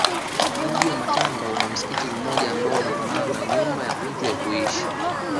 Mji wa Matamba una msikiti mmoja ambao unafanana na nyumba ya mtu ya kuishi